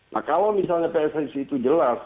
nah kalau misalnya pssi itu jelas